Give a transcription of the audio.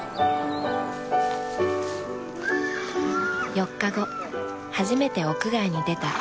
４日後初めて屋外に出たねずこ。